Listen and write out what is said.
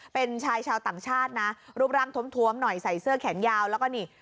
เป็นชายชาวต่างชาตินะรูปร่างท้วมหน่อยใส่เสื้อแขนยาวแล้วก็นี่